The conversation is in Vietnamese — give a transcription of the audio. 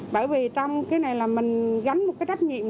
bởi vì trong cái này là mình gánh một cái trách nhiệm